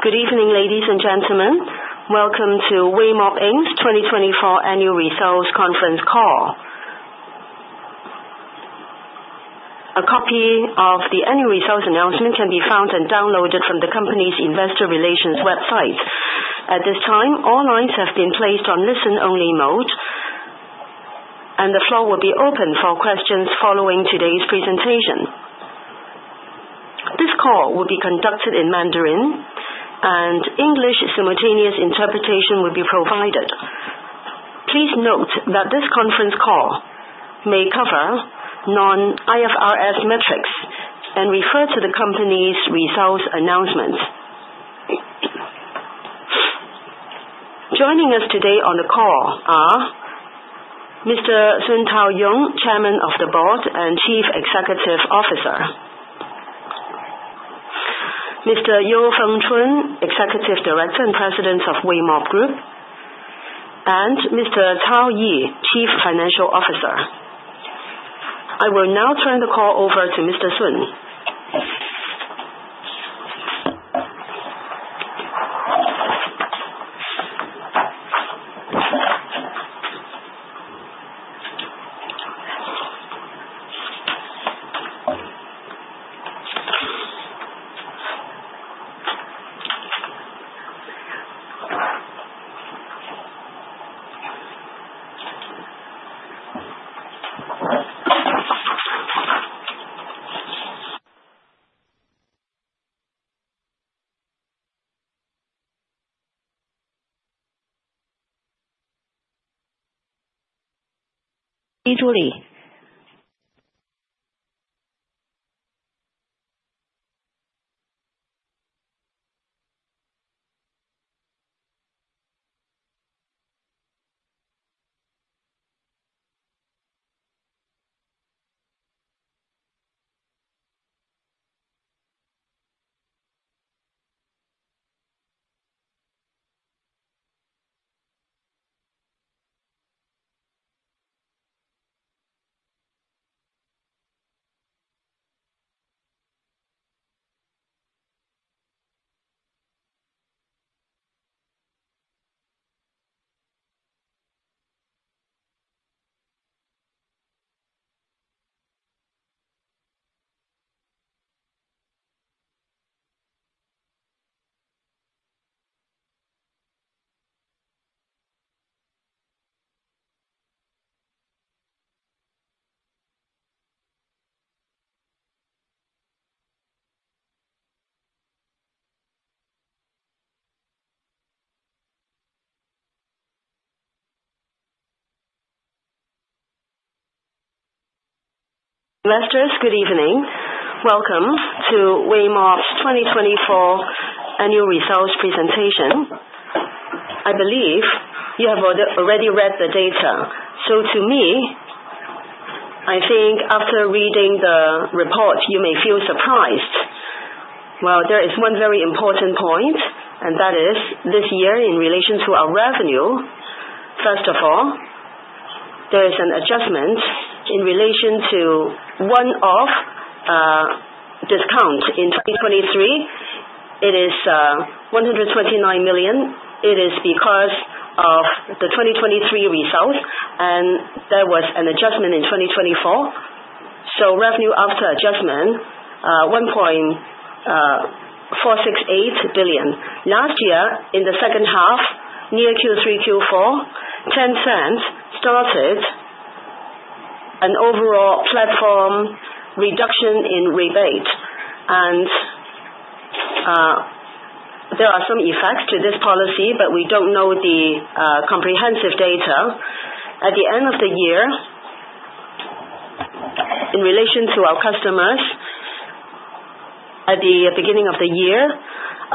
Good evening, ladies and gentlemen. Welcome to Weimob's 2024 Annual Results Conference Call. A copy of the Annual Results Announcement can be found and downloaded from the company's Investor Relations website. At this time, all lines have been placed on listen-only mode, and the floor will be open for questions following today's presentation. This call will be conducted in Mandarin, and English simultaneous interpretation will be provided. Please note that this conference call may cover non-IFRS metrics and refer to the company's results announcement. Joining us today on the call are Mr. Sun Taoyong, Chairman of the Board and Chief Executive Officer; Mr. You Fengchun, Executive Director and President of Weimob Group; and Mr. Cao Yi, Chief Financial Officer. I will now turn the call over to Mr. Sun. Investors, good evening. Welcome to Weimob's 2024 Annual Results Presentation. I believe you have already read the data. To me, I think after reading the report, you may feel surprised. There is one very important point, and that is, this year, in relation to our revenue, first of all, there is an adjustment in relation to one-off discount. In 2023, it is 129 million. It is because of the 2023 results, and there was an adjustment in 2024. Revenue after adjustment, 1.468 billion. Last year, in the second half, near Q3, Q4, Tencent started an overall platform reduction in rebate. There are some effects to this policy, but we don't know the comprehensive data. At the end of the year, in relation to our customers, at the beginning of the year,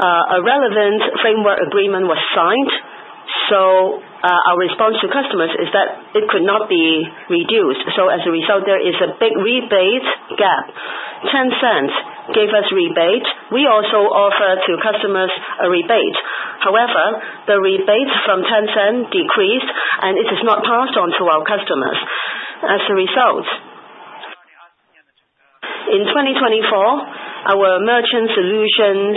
a relevant framework agreement was signed. Our response to customers is that it could not be reduced. As a result, there is a big rebate gap. Tencent gave us rebate. We also offer to customers a rebate. However, the rebate from Tencent decreased, and it is not passed on to our customers. As a result, in 2024, our merchant solutions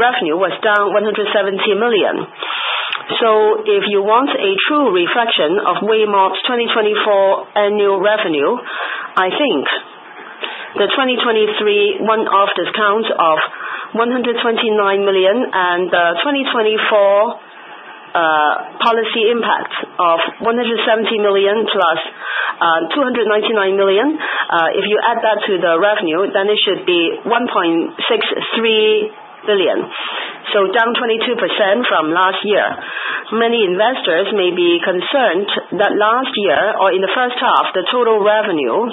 revenue was down 170 million. If you want a true reflection of Weimob's 2024 annual revenue, I think the 2023 one-off discount of 129 million and the 2024 policy impact of 170 million plus 299 million, if you add that to the revenue, then it should be 1.63 billion. Down 22% from last year. Many investors may be concerned that last year, or in the first half, the total revenue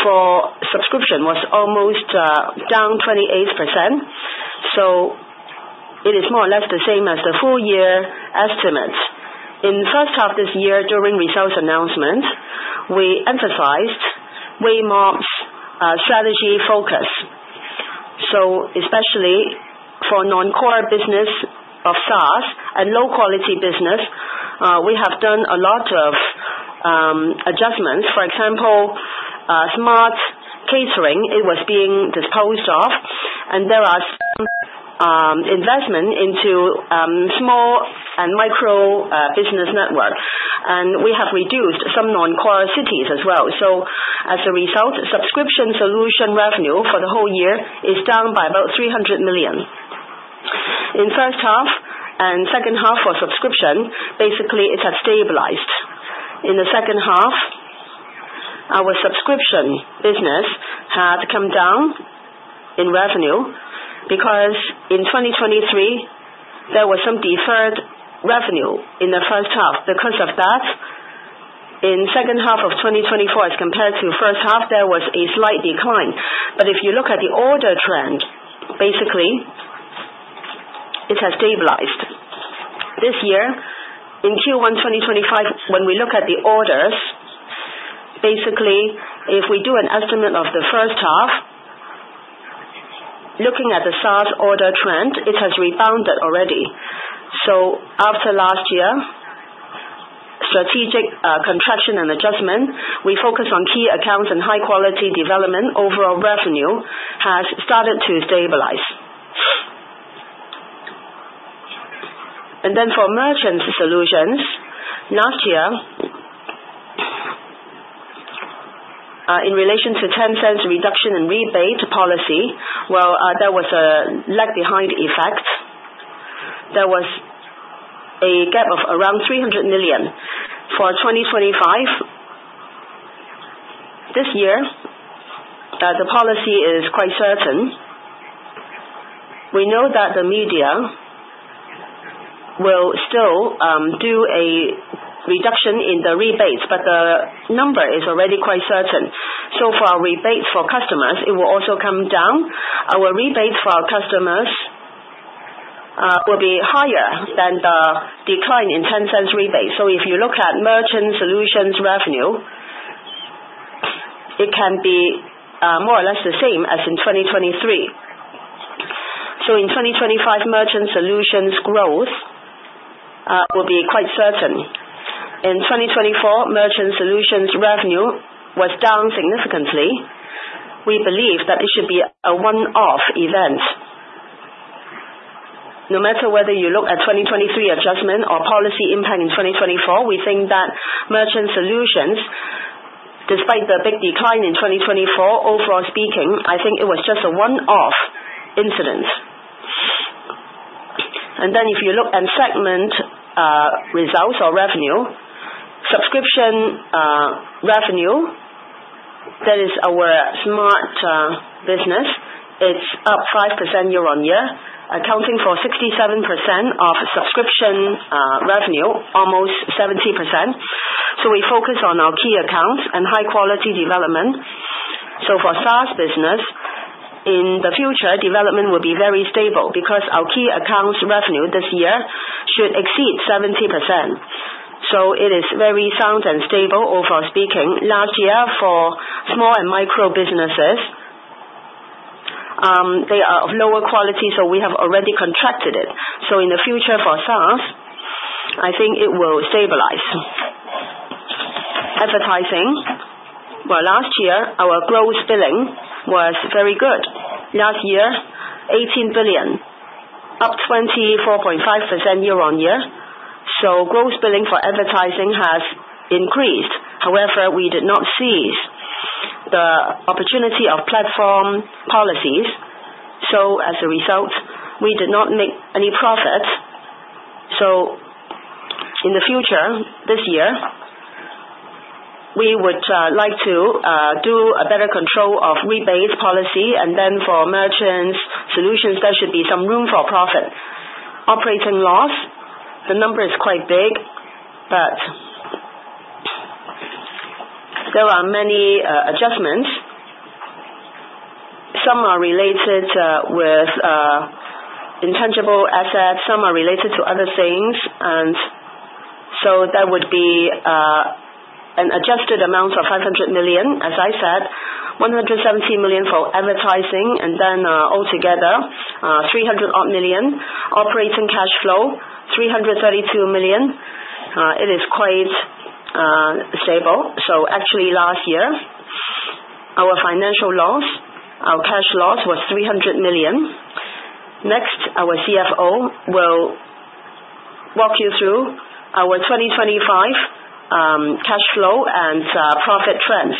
for subscription was almost down 28%. It is more or less the same as the full-year estimates. In the first half of this year, during results announcements, we emphasized Weimob's strategy focus. Especially for non-core business of SaaS and low-quality business, we have done a lot of adjustments. For example, Smart Catering, it was being disposed of, and there are investments into small and micro business networks. We have reduced some non-core cities as well. As a result, subscription solution revenue for the whole year is down by about 300 million. In the first half and second half for subscription, basically, it has stabilized. In the second half, our subscription business had come down in revenue because in 2023, there was some deferred revenue in the first half. Because of that, in the second half of 2024, as compared to the first half, there was a slight decline. If you look at the order trend, basically, it has stabilized. This year, in Q1 2025, when we look at the orders, basically, if we do an estimate of the first half, looking at the SaaS order trend, it has rebounded already. After last year, strategic contraction and adjustment, we focus on key accounts and high-quality development, overall revenue has started to stabilize. For merchant solutions, last year, in relation to Tencent's reduction in rebate policy, there was a lag-behind effect. There was a gap of around 300 million. For 2025, this year, the policy is quite certain. We know that the media will still do a reduction in the rebates, but the number is already quite certain. For our rebates for customers, it will also come down. Our rebates for our customers will be higher than the decline in Tencent's rebates. If you look at merchant solutions revenue, it can be more or less the same as in 2023. In 2025, merchant solutions growth will be quite certain. In 2024, merchant solutions revenue was down significantly. We believe that it should be a one-off event. No matter whether you look at 2023 adjustment or policy impact in 2024, we think that merchant solutions, despite the big decline in 2024, overall speaking, I think it was just a one-off incident. If you look at segment results or revenue, subscription revenue, that is our smart business, it's up 5% year-on-year, accounting for 67% of subscription revenue, almost 70%. We focus on our key accounts and high-quality development. For SaaS business, in the future, development will be very stable because our key accounts revenue this year should exceed 70%. It is very sound and stable, overall speaking. Last year, for small and micro businesses, they are of lower quality, so we have already contracted it. In the future, for SaaS, I think it will stabilize. Advertising, last year, our gross billing was very good. Last year, 18 billion, up 24.5% year-on-year. Gross billing for advertising has increased. However, we did not seize the opportunity of platform policies. As a result, we did not make any profits. In the future, this year, we would like to do a better control of rebate policy, and then for merchant solutions, there should be some room for profit. Operating loss, the number is quite big, but there are many adjustments. Some are related with intangible assets, some are related to other things. There would be an adjusted amount of 500 million, as I said, 170 million for Advertising, and then altogether, 300 million. Operating cash flow, 332 million. It is quite stable. Actually, last year, our financial loss, our cash loss was 300 million. Next, our CFO will walk you through our 2025 cash flow and profit trends.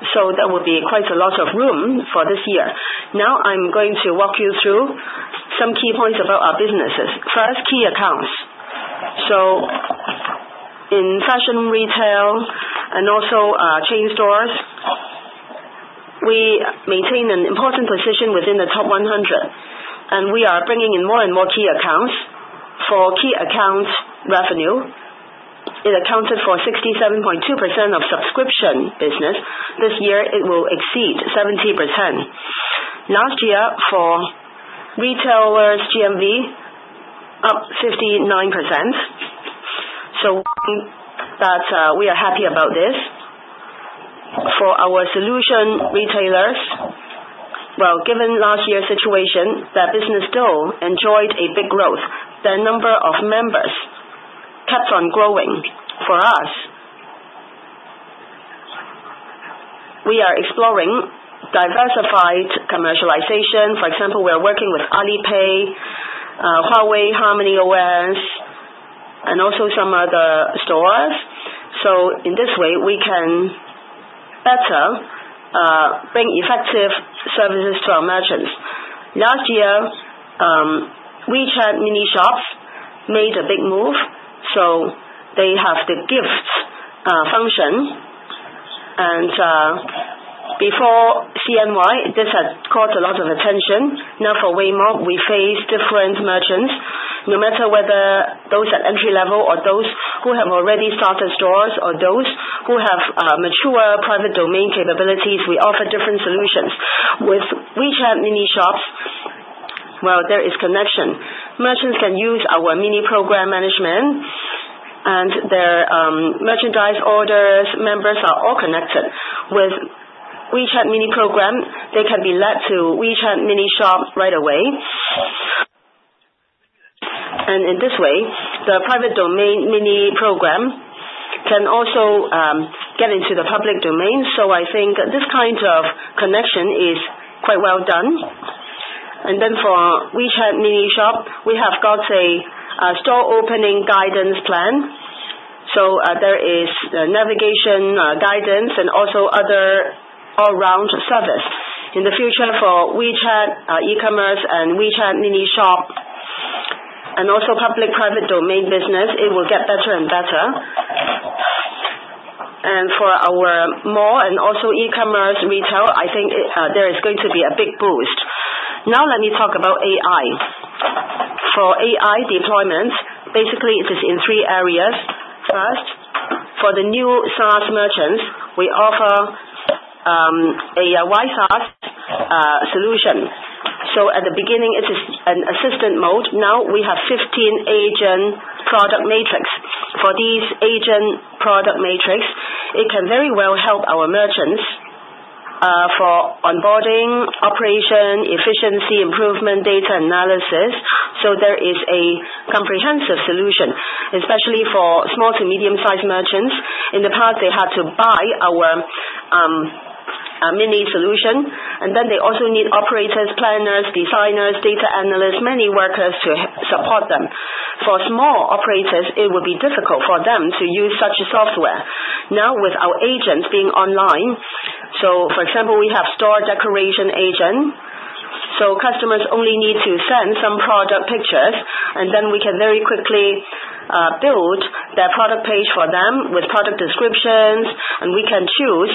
There will be quite a lot of room for this year. Now, I'm going to walk you through some key points about our businesses. First, key accounts. In fashion retail and also chain stores, we maintain an important position within the top 100, and we are bringing in more and more key accounts. For key accounts revenue, it accounted for 67.2% of subscription business. This year, it will exceed 70%. Last year, for retailers, GMV up 59%. We are happy about this. For our solution retailers, given last year's situation, that business still enjoyed a big growth, their number of members kept on growing. For us, we are exploring diversified commercialization. For example, we are working with Alipay, Huawei, HarmonyOS, and also some other stores. In this way, we can better bring effective services to our merchants. Last year, WeChat Mini Shops made a big move. They have the gifts function. Before Chinese New Year, this had caught a lot of attention. Now, for Weimob, we face different merchants. No matter whether those at entry level or those who have already started stores or those who have mature private domain capabilities, we offer different solutions. With WeChat Mini Shops, there is connection. Merchants can use our mini program management, and their merchandise orders, members are all connected. With WeChat Mini Program, they can be led to WeChat Mini Shop right away. In this way, the private domain mini program can also get into the public domain. I think this kind of connection is quite well done. For WeChat Mini Shop, we have got a store opening guidance plan. There is navigation guidance and also other all-round service. In the future, for WeChat e-commerce and WeChat Mini Shop, and also public private domain business, it will get better and better. For our mall and also e-commerce retail, I think there is going to be a big boost. Now, let me talk about AI. For AI deployments, basically, it is in three areas. First, for the new SaaS merchants, we offer a YSaaS solution. At the beginning, it is an assistant mode. Now, we have 15 agent product matrix. For these agent product matrix, it can very well help our merchants for onboarding, operation, efficiency improvement, data analysis. There is a comprehensive solution, especially for small-to-medium-sized merchants. In the past, they had to buy our mini solution, and then they also need operators, planners, designers, data analysts, many workers to support them. For small operators, it would be difficult for them to use such software. Now, with our agents being online, for example, we have store decoration agent. Customers only need to send some product pictures, and then we can very quickly build their product page for them with product descriptions, and we can choose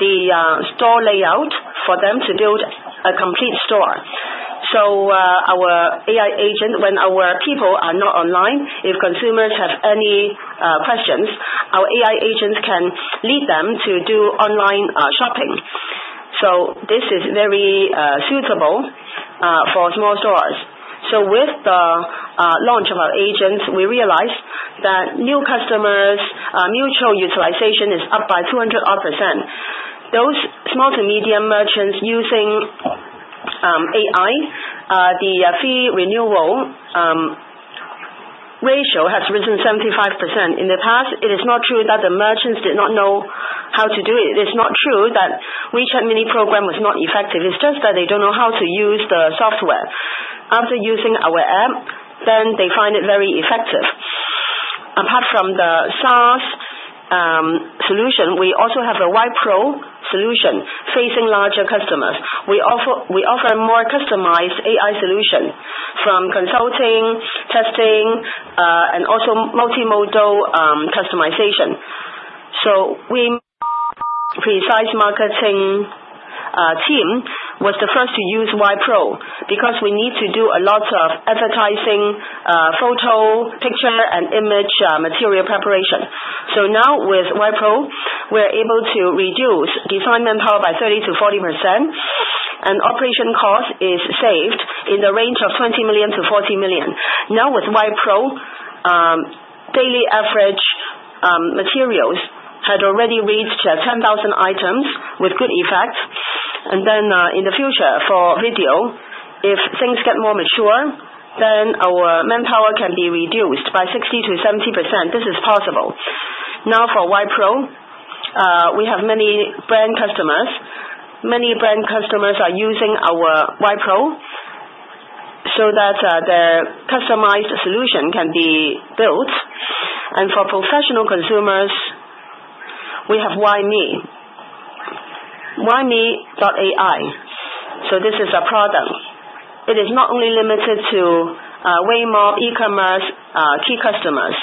the store layout for them to build a complete store. Our AI agent, when our people are not online, if consumers have any questions, our AI agents can lead them to do online shopping. This is very suitable for small stores. With the launch of our agents, we realized that new customers' mutual utilization is up by 200%. Those small to medium merchants using AI, the fee renewal ratio has risen 75%. In the past, it is not true that the merchants did not know how to do it. It is not true that WeChat Mini Program was not effective. It's just that they do not know how to use the software. After using our app, then they find it very effective. Apart from the SaaS solution, we also have a YPro solution facing larger customers. We offer a more customized AI solution from consulting, testing, and also multimodal customization. Our precise marketing team was the first to use YPro because we need to do a lot of advertising, photo, picture, and image material preparation. Now with YPro, we are able to reduce design manpower by 30% to 40, and operation cost is saved in the range of 20 million to 40 million. Now, with YPro, daily average materials had already reached 10,000 items with good effect. In the future, for video, if things get more mature, our manpower can be reduced by 60% to 70. This is possible. Now, for YPro, we have many brand customers. Many brand customers are using our YPro so that their customized solution can be built. For professional consumers, we have YME, YME.ai. This is a product. It is not only limited to Weimob, e-commerce key customers.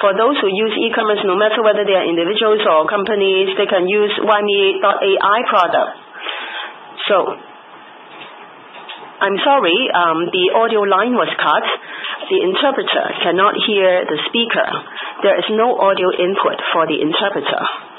For those who use e-commerce, no matter whether they are individuals or companies, they can use YME.ai product. I'm sorry, the audio line was cut. The interpreter cannot hear the speaker. There is no audio input for the interpreter.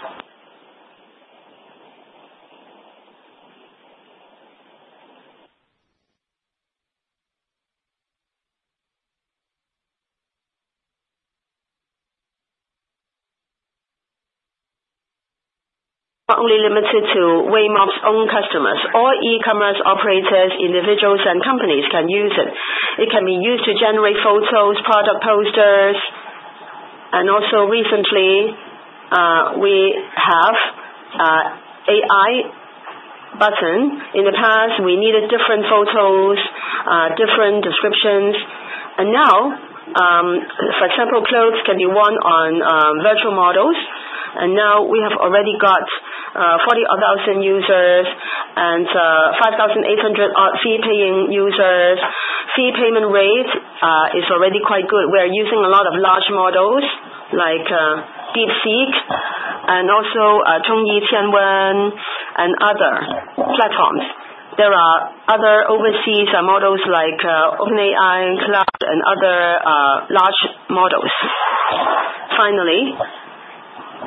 Not only limited to Weimob's own customers, all e-commerce operators, individuals, and companies can use it. It can be used to generate photos, product posters, and also recently, we have AI button. In the past, we needed different photos, different descriptions. Now, for example, clothes can be worn on virtual models. Now we have already got 40,000 users and 5,800 fee-paying users. Fee payment rate is already quite good. We are using a lot of large models like DeepSeek and also Zhongyi Tianwen and other platforms. There are other overseas models like OpenAI, Cloud, and other large models. Finally,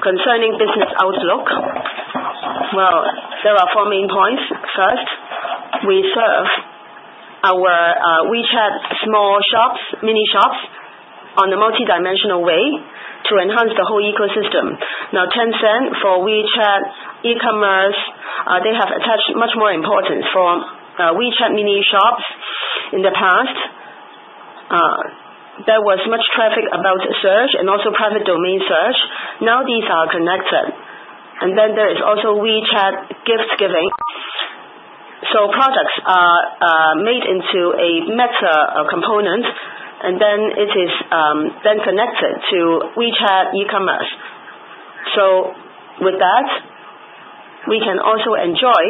concerning business outlook, there are four main points. First, we serve our WeChat small shops, mini shops on a multidimensional way to enhance the whole ecosystem. Now, Tencent for WeChat e-commerce, they have attached much more importance for WeChat mini shops. In the past, there was much traffic about search and also private domain search. Now, these are connected. There is also WeChat gift giving. Products are made into a meta component, and then it is connected to WeChat e-commerce. With that, we can also enjoy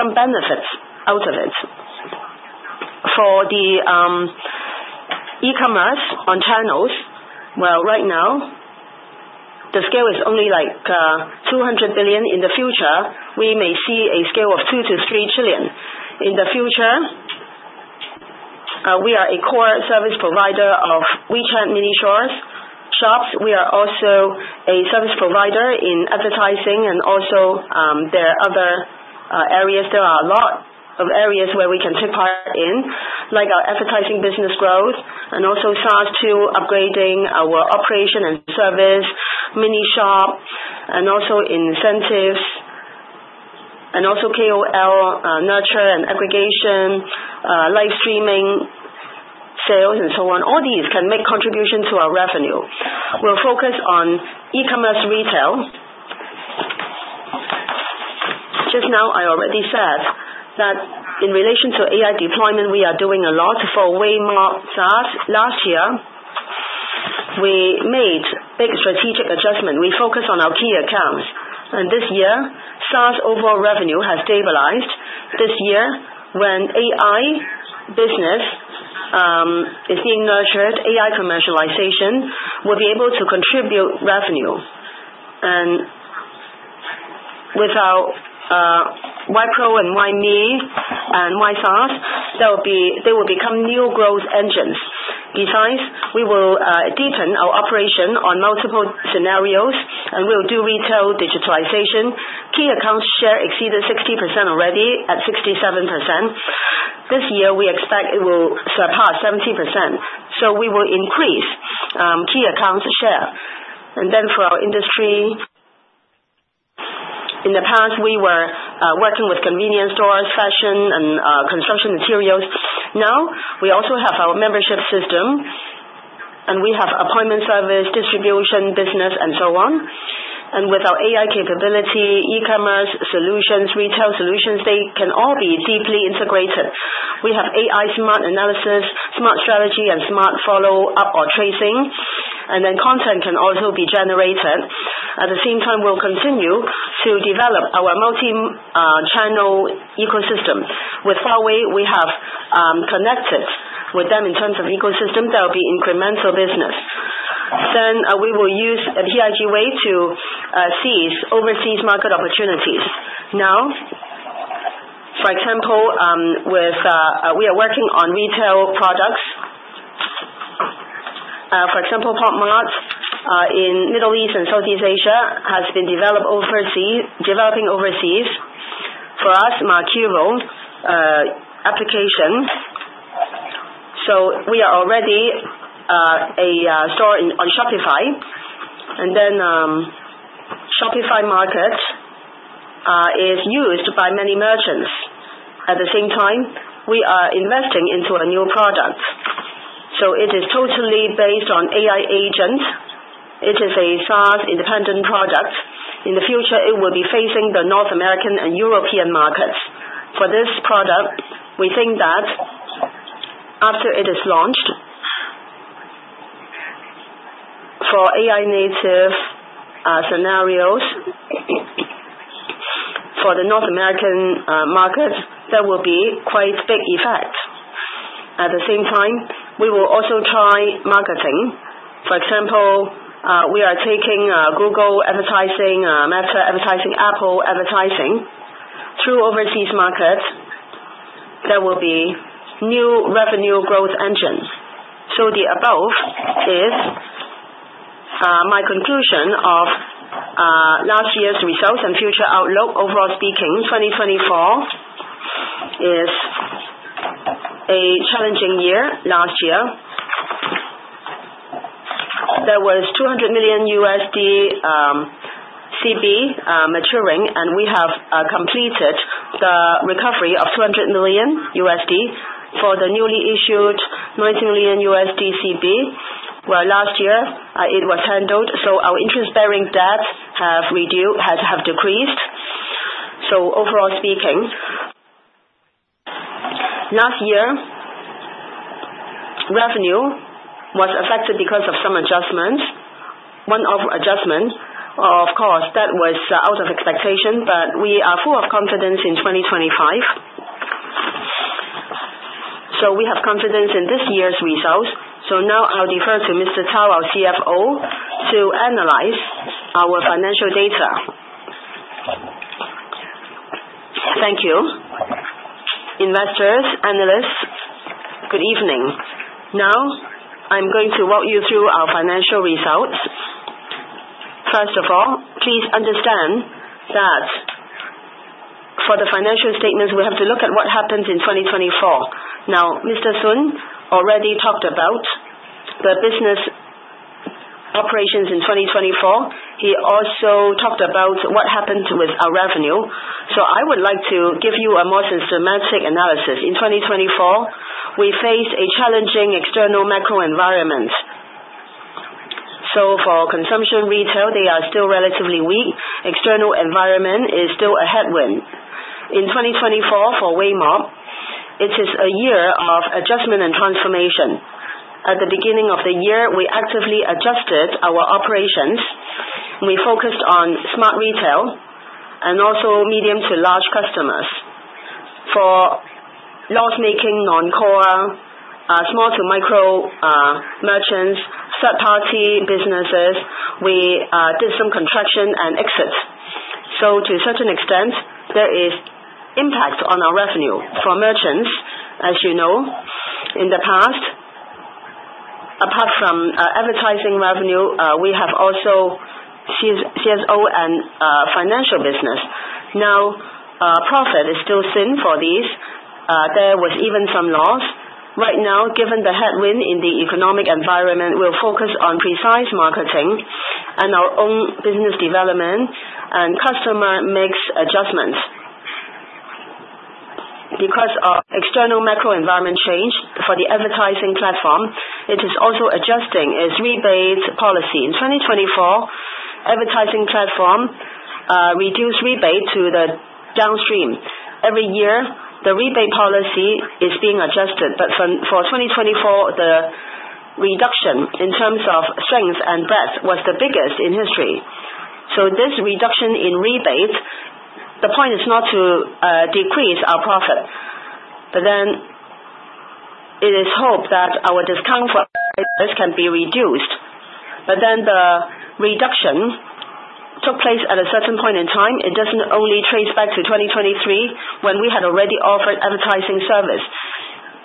some benefits out of it. For the e-commerce on channels, right now, the scale is only like 200 billion. In the future, we may see a scale of 2 trillion to 3 trillion. In the future, we are a core service provider of WeChat Mini Shops. We are also a service provider in advertising and also their other areas. There are a lot of areas where we can take part in, like our advertising business growth and also SaaS to upgrading our operation and service, mini shop, and also incentives, and also KOL nurture and aggregation, live streaming, sales, and so on. All these can make contribution to our revenue. We'll focus on e-commerce retail. Just now, I already said that in relation to AI deployment, we are doing a lot for Weimob. Last year, we made big strategic adjustment. We focused on our key accounts. This year, SaaS overall revenue has stabilized. This year, when AI business is being nurtured, AI commercialization will be able to contribute revenue. Without YPro and YME and YSAAS, they will become new growth engines. Besides, we will deepen our operation on multiple scenarios, and we will do retail digitalization. Key accounts share exceeded 60% already at 67%. This year, we expect it will surpass 70%. We will increase key accounts share. For our industry, in the past, we were working with convenience stores, fashion, and construction materials. Now, we also have our membership system, and we have appointment service, distribution business, and so on. With our AI capability, e-commerce solutions, retail solutions, they can all be deeply integrated. We have AI smart analysis, smart strategy, and smart follow-up or tracing, and then content can also be generated. At the same time, we will continue to develop our multi-channel ecosystem. With Huawei, we have connected with them in terms of ecosystem. There will be incremental business. We will use the PIG way to seize overseas market opportunities. For example, we are working on retail products. For example, Pop Mart in Middle East and Southeast Asia has been developing overseas. For us, Markuro application. We are already a store on Shopify. Shopify market is used by many merchants. At the same time, we are investing into a new product. It is totally based on AI agent. It is a SaaS independent product. In the future, it will be facing the North American and European markets. For this product, we think that after it is launched, for AI native scenarios for the North American market, there will be quite big effects. At the same time, we will also try marketing. For example, we are taking Google advertising, Meta advertising, Apple advertising through overseas markets. There will be new revenue growth engines. The above is my conclusion of last year's results and future outlook. Overall speaking, 2024 is a challenging year. Last year, there was $200 million CB maturing, and we have completed the recovery of $200 million for the newly issued $90 million CB, where last year it was handled. Our interest-bearing debt has decreased. Overall speaking, last year, revenue was affected because of some adjustments. One of the adjustments, of course, that was out of expectation, but we are full of confidence in 2025. We have confidence in this year's results. Now I'll defer to Mr. Cao, our CFO, to analyze our financial data. Thank you. Investors, analysts, good evening. Now, I'm going to walk you through our financial results. First of all, please understand that for the financial statements, we have to look at what happens in 2024. Mr. Sun already talked about the business operations in 2024. He also talked about what happened with our revenue. I would like to give you a more systematic analysis. In 2024, we faced a challenging external macro environment. For consumption retail, they are still relatively weak. External environment is still a headwind. In 2024, for Weimob, it is a year of adjustment and transformation. At the beginning of the year, we actively adjusted our operations. We focused on smart retail and also medium-to-large customers. For loss-making non-core, small-to-micro merchants, third-party businesses, we did some contraction and exits. To a certain extent, there is impact on our revenue. For merchants, as you know, in the past, apart from advertising revenue, we have also CSO and financial business. Now, profit is still thin for these. There was even some loss. Right now, given the headwind in the economic environment, we'll focus on precise marketing and our own business development and customer mix adjustments. Because of external macro environment change for the advertising platform, it is also adjusting its rebate policy. In 2024, advertising platform reduced rebate to the downstream. Every year, the rebate policy is being adjusted. For 2024, the reduction in terms of strength and breadth was the biggest in history. This reduction in rebate, the point is not to decrease our profit, but it is hoped that our discount for advertisers can be reduced. The reduction took place at a certain point in time. It does not only trace back to 2023 when we had already offered advertising service.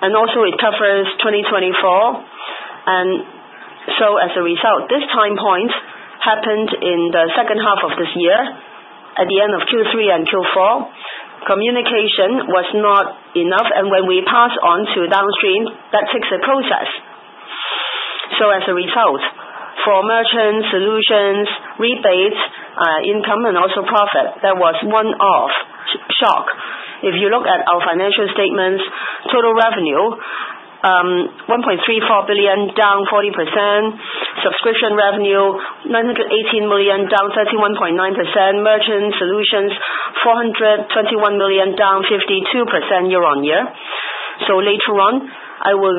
It also covers 2024. As a result, this time point happened in the second half of this year at the end of Q3 and Q4. Communication was not enough. When we pass on to downstream, that takes a process. As a result, for Merchant Solutions, rebates, income, and also profit, there was one-off shock. If you look at our financial statements, total revenue, 1.34 billion, down 40%. Subscription revenue, 918 million, down 31.9%. Merchants Solutions, 421 million, down 52% year-on-year. Later on, I will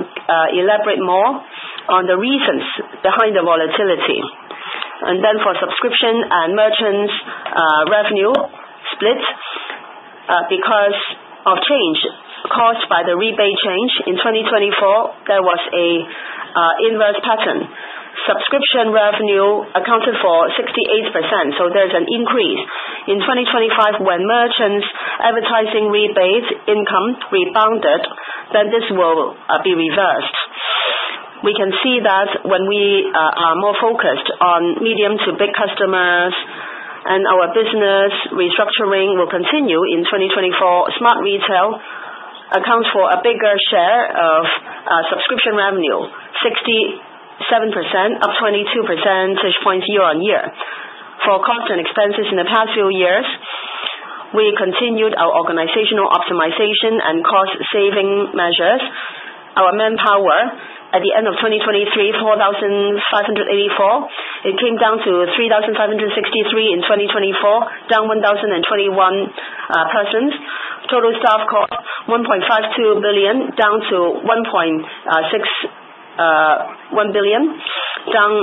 elaborate more on the reasons behind the volatility. For subscription and merchants' revenue split because of change caused by the rebate change in 2024, there was an inverse pattern. Subscription revenue accounted for 68%. There is an increase. In 2025, when merchants' advertising rebates income rebounded, then this will be reversed. We can see that when we are more focused on medium to big customers and our business restructuring will continue in 2024, smart retail accounts for a bigger share of subscription revenue, 67%, up 22%, 6.0% year-on-year. For cost and expenses, in the past few years, we continued our organizational optimization and cost-saving measures. Our manpower, at the end of 2023, 4,584. It came down to 3,563 in 2024, down 1,021 persons. Total staff cost, 1.52 billion, down from 1.61 billion, down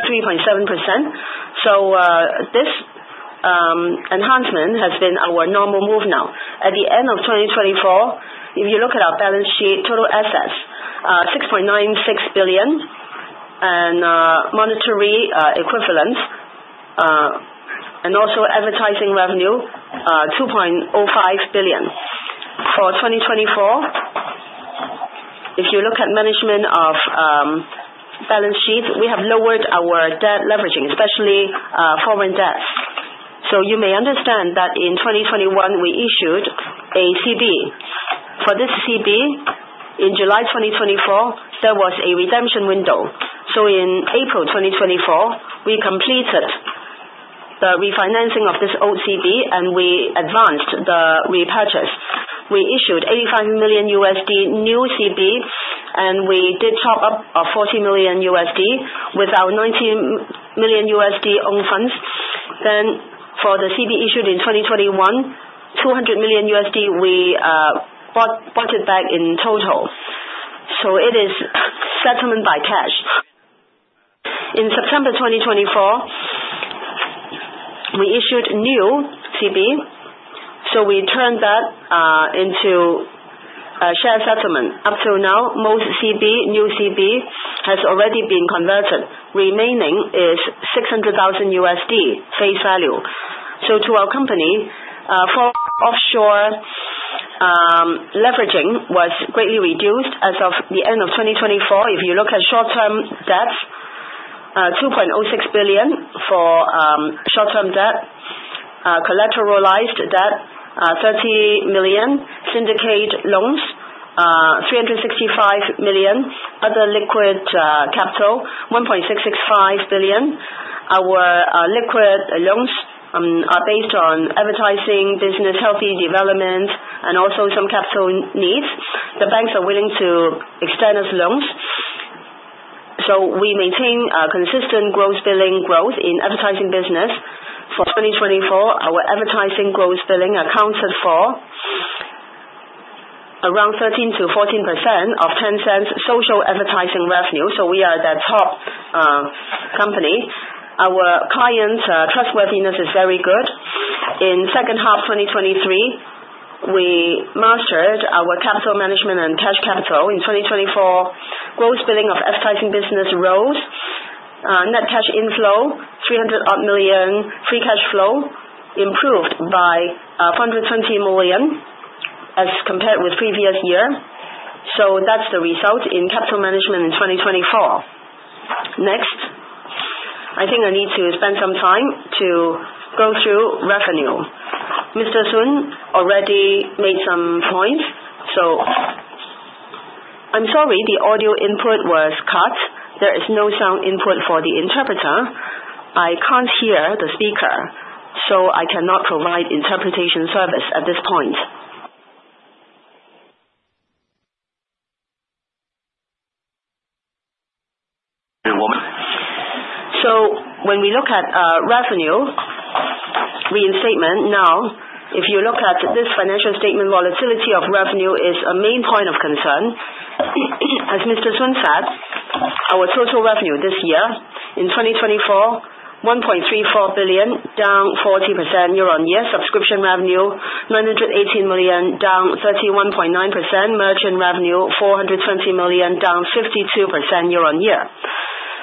3.7%. This enhancement has been our normal move now. At the end of 2024, if you look at our balance sheet, total assets, 6.96 billion and monetary equivalent, and also advertising revenue, 2.05 billion. For 2024, if you look at management of balance sheet, we have lowered our debt leveraging, especially foreign debt. You may understand that in 2021, we issued a CB. For this CB, in July 2024, there was a redemption window. In April 2024, we completed the refinancing of this old CB, and we advanced the repurchase. We issued $85 million new CB, and we did top up of $40 million with our $90 million own funds. For the CB issued in 2021, $200 million, we bought it back in total. It is settlement by cash. In September 2024, we issued new CB. We turned that into share settlement. Up till now, most CB, new CB, has already been converted. Remaining is $600,000 face value. To our company, foreign offshore leveraging was greatly reduced as of the end of 2024. If you look at short-term debts, 2.06 billion for short-term debt, collateralized debt, 30 million, syndicate loans, 365 million, other liquid capital, 1.665 billion. Our liquid loans are based on advertising business, healthy development, and also some capital needs. The banks are willing to extend us loans. We maintain consistent gross billing growth in advertising business. For 2024, our advertising gross billing accounted for around 13% to 14 of Tencent social advertising revenue. We are the top company. Our client trustworthiness is very good. In second half 2023, we mastered our capital management and cash capital. In 2024, gross billing of advertising business rose. Net cash inflow, 300 million, free cash flow improved by 420 million as compared with previous year. That is the result in capital management in 2024. Next, I think I need to spend some time to go through revenue. Mr. Sun already made some points. I am sorry, the audio input was cut. There is no sound input for the interpreter. I cannot hear the speaker, so I cannot provide interpretation service at this point. When we look at revenue, reinstatement, now, if you look at this financial statement, volatility of revenue is a main point of concern. As Mr. Sun said, our total revenue this year in 2024, 1.34 billion, down 40% year-on-year. Subscription revenue, 918 million, down 31.9%. Merchant revenue, 420 million, down 52% year-on-year.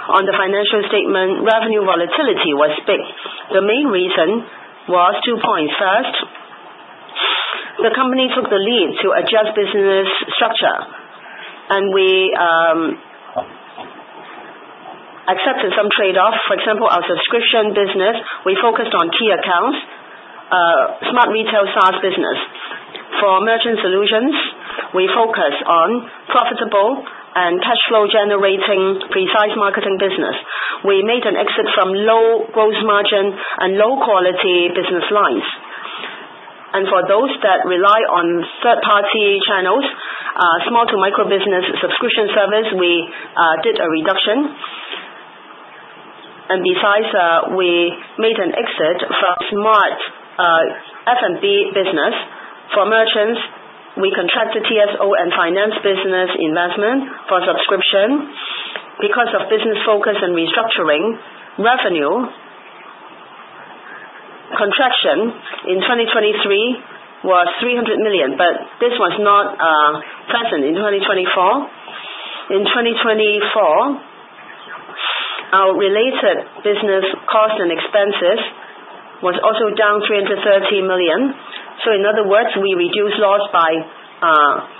On the financial statement, revenue volatility was big. The main reason was two points. First, the company took the lead to adjust business structure, and we accepted some trade-offs. For example, our subscription business, we focused on key accounts. Smart Retail SaaS business. For Merchant Solutions, we focus on profitable and cash flow generating precise marketing business. We made an exit from low gross margin and low quality business lines. For those that rely on third-party channels, small-to-micro business subscription service, we did a reduction. Besides, we made an exit from Smart FMB business. For merchants, we contracted TSO and finance business investment for subscription. Because of business focus and restructuring, revenue contraction in 2023 was 300 million, but this was not present in 2024. In 2024, our related business cost and expenses was also down 330 million. In other words, we reduced loss by RMB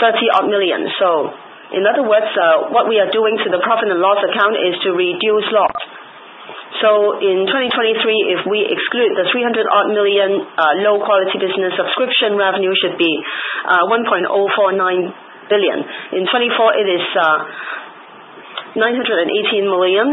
30 million. In other words, what we are doing to the profit and loss account is to reduce loss. In 2023, if we exclude the 300 million low quality business, subscription revenue should be 1.049 billion. In 2024, it is 918 million.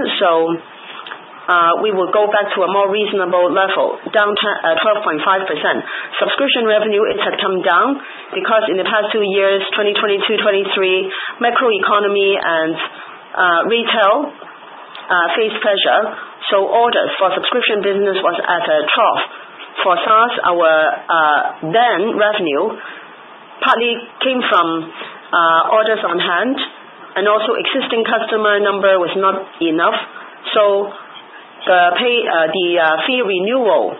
We will go back to a more reasonable level, down 12.5%. Subscription revenue, it had come down because in the past two years, 2022, 2023, macro economy and retail faced pressure. Orders for subscription business was at a trough. For SaaS, our then revenue partly came from orders on hand, and also existing customer number was not enough. The fee renewal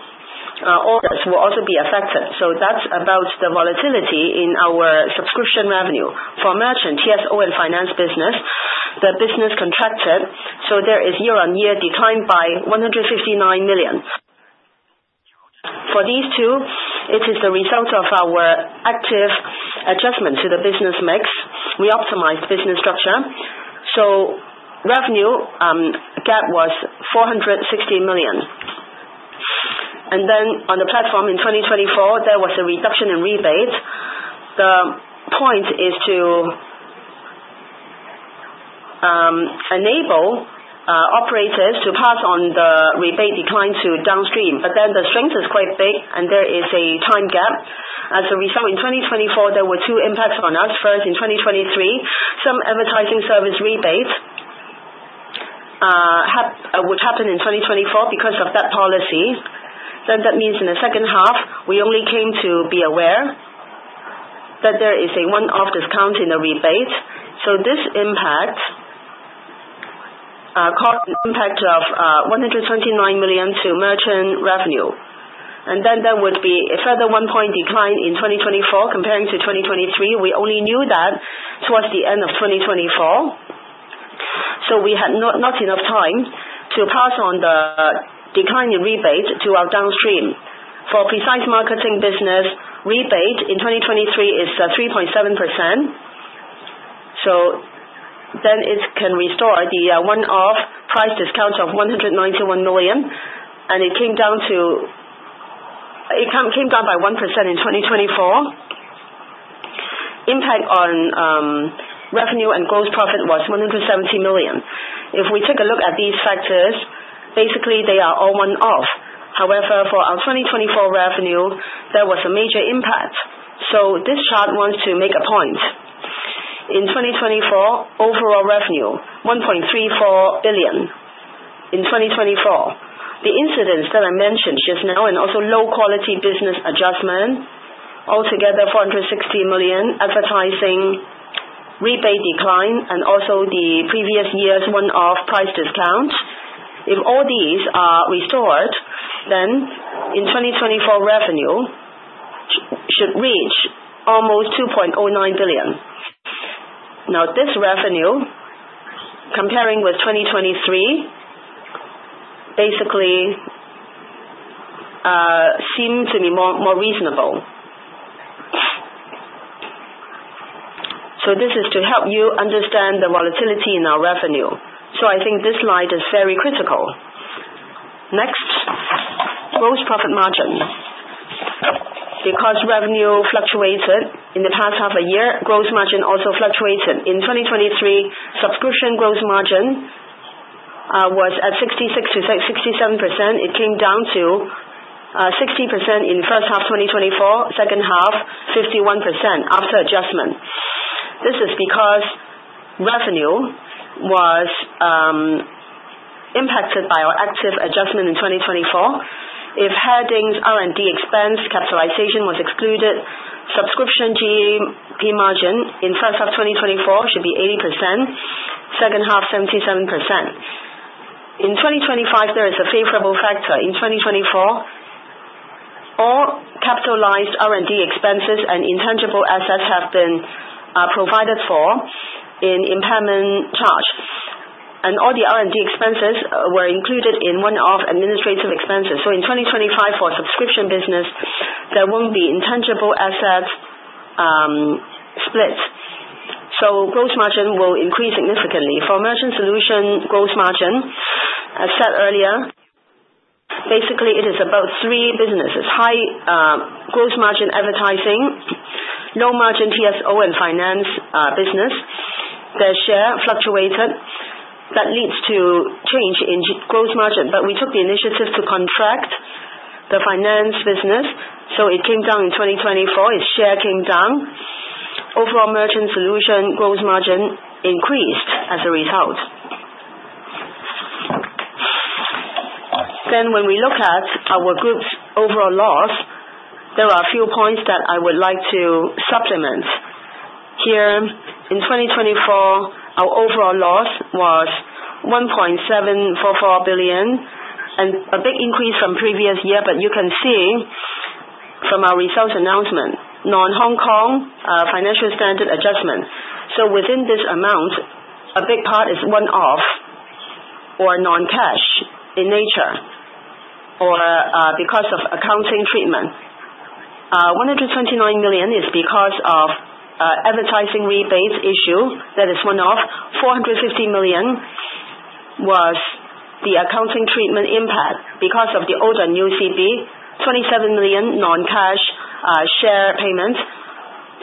orders will also be affected. That is about the volatility in our subscription revenue. For merchant, TSO and finance business, the business contracted. There is year-on-year decline by 159 million. For these two, it is the result of our active adjustment to the business mix. We optimized business structure. Revenue gap was 460 million. On the platform in 2024, there was a reduction in rebate. The point is to enable operators to pass on the rebate decline to downstream. The strength is quite big, and there is a time gap. As a result, in 2024, there were two impacts on us. First, in 2023, some advertising service rebates would happen in 2024 because of that policy. That means in the second half, we only came to be aware that there is a one-off discount in the rebate. This impact cost impact of 129 million to merchant revenue. There would be a further one-point decline in 2024 comparing to 2023. We only knew that towards the end of 2024. We had not enough time to pass on the decline in rebate to our downstream. For precise marketing business, rebate in 2023 is 3.7%. It can restore the one-off price discount of 191 million, and it came down by 1% in 2024. Impact on revenue and gross profit was 170 million. If we take a look at these factors, basically, they are all one-off. However, for our 2024 revenue, there was a major impact. This chart wants to make a point. In 2024, overall revenue, 1.34 billion. In 2024, the incidents that I mentioned just now and also low quality business adjustment, altogether 460 million, advertising rebate decline, and also the previous year's one-off price discount. If all these are restored, then in 2024, revenue should reach almost 2.09 billion. This revenue, comparing with 2023, basically seemed to be more reasonable. This is to help you understand the volatility in our revenue. I think this slide is very critical. Next, gross profit margin. Because revenue fluctuated in the past half a year, gross margin also fluctuated. In 2023, subscription gross margin was at 66% to 67. It came down to 60% in first half 2024, second half, 51% after adjustment. This is because revenue was impacted by our active adjustment in 2024. If headings, R&D expense, capitalization was excluded, subscription GP margin in first half 2024 should be 80%, second half 77%. In 2025, there is a favorable factor. In 2024, all capitalized R&D expenses and intangible assets have been provided for in impairment charge. All the R&D expenses were included in one-off administrative expenses. In 2025, for subscription business, there will not be intangible assets split. Gross margin will increase significantly. For merchant solution, gross margin, as said earlier, basically, it is about three businesses: high gross margin advertising, low margin TSO and finance business. The share fluctuated. That leads to change in gross margin. We took the initiative to contract the finance business. It came down in 2024. Its share came down. Overall merchant solution gross margin increased as a result. When we look at our group's overall loss, there are a few points that I would like to supplement. Here, in 2024, our overall loss was 1.744 billion, and a big increase from previous year. You can see from our results announcement, non-Hong Kong financial standard adjustment. Within this amount, a big part is one-off or non-cash in nature or because of accounting treatment. 129 million is because of advertising rebates issue. That is one-off. 450 million was the accounting treatment impact because of the old and new CB. 27 million non-cash share payments.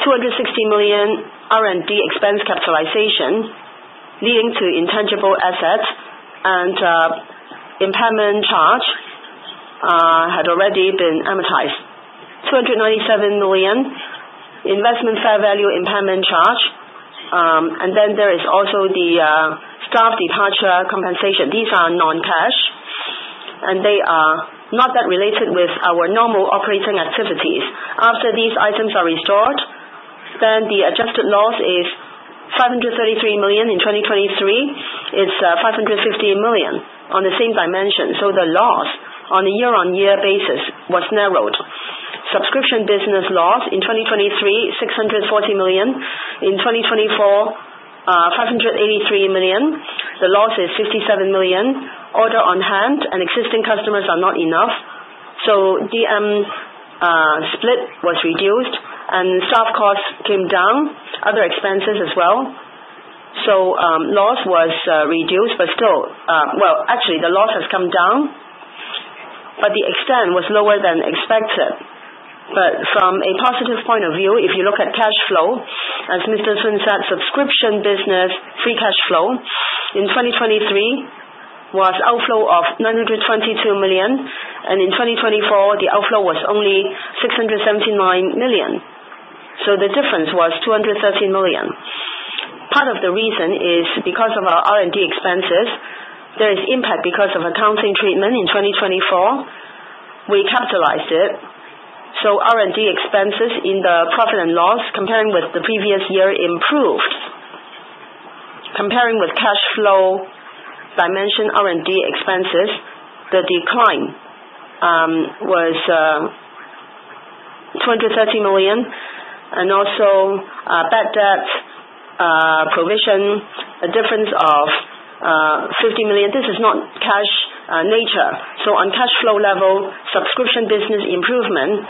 260 million R&D expense capitalization leading to intangible assets and impairment charge had already been amortized. 297 million investment fair value impairment charge. There is also the staff departure compensation. These are non-cash, and they are not that related with our normal operating activities. After these items are restored, then the adjusted loss is 533 million. In 2023, it's 550 million on the same dimension. The loss on a year-on-year basis was narrowed. Subscription business loss in 2023, 640 million. In 2024, 583 million. The loss is 57 million. Order on hand and existing customers are not enough. DM split was reduced, and staff costs came down. Other expenses as well. Loss was reduced, but still, actually, the loss has come down, but the extent was lower than expected. From a positive point of view, if you look at cash flow, as Mr. Sun said, subscription business free cash flow in 2023 was an outflow of 922 million, and in 2024, the outflow was only 679 million. The difference was 213 million. Part of the reason is because of our R&D expenses. There is impact because of accounting treatment in 2024. We capitalized it. R&D expenses in the profit and loss comparing with the previous year improved. Comparing with cash flow dimension, R&D expenses, the decline was 230 million, and also bad debt provision, a difference of 50 million. This is not cash nature. On cash flow level, subscription business improvement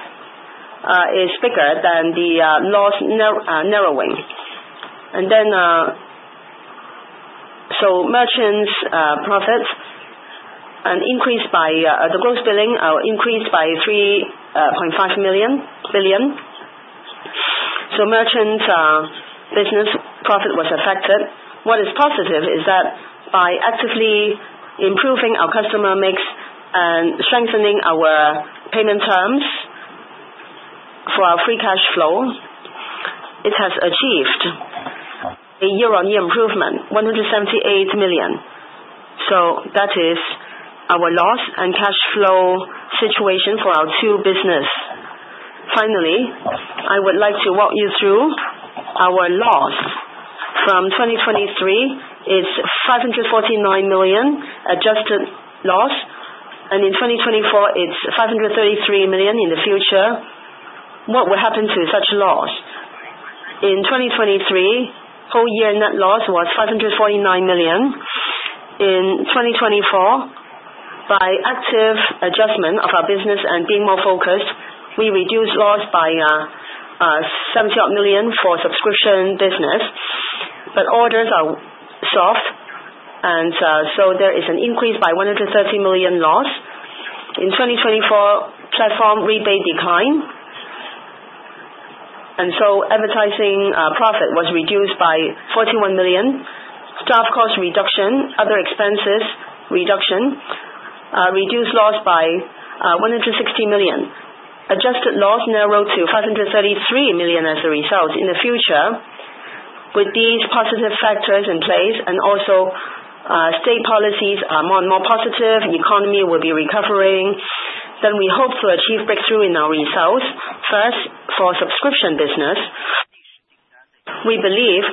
is bigger than the loss narrowing. Merchants' profits and increase by the gross billing increased by 3.5 billion. Merchants' business profit was affected. What is positive is that by actively improving our customer mix and strengthening our payment terms for our free cash flow, it has achieved a year-on-year improvement, 178 million. That is our loss and cash flow situation for our two businesses. Finally, I would like to walk you through our loss. From 2023, it is 549 million adjusted loss, and in 2024, it is 533 million in the future. What will happen to such loss? In 2023, whole year net loss was 549 million. In 2024, by active adjustment of our business and being more focused, we reduced loss by 70 million for subscription business. Orders are soft, and there is an increase by 130 million loss. In 2024, platform rebate decline, and so advertising profit was reduced by 41 million. Staff cost reduction, other expenses reduction, reduced loss by 160 million. Adjusted loss narrowed to 533 million as a result. In the future, with these positive factors in place and also state policies are more and more positive, the economy will be recovering. We hope to achieve breakthrough in our results. First, for subscription business, we believe